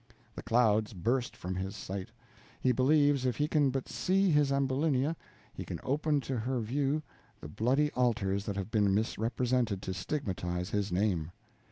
The clouds burst from his sight; he believes if he can but see his Ambulinia, he can open to her view the bloody altars that have been misrepresented to stigmatize his name.